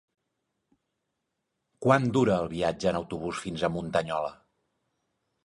Quant dura el viatge en autobús fins a Muntanyola?